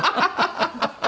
ハハハハ。